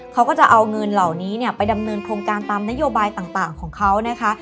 เขาก็จะเอาเงินเหล่านี้เนี่ยไปดำเนินโครงการตามนโยบายต่างของเขานะคะ